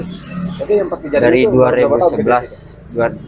oke yang pas kejadian itu berapa tahun